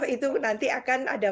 itu nanti akan ada